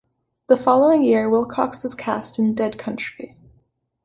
The following year, Wilcox was cast in "Dead Country".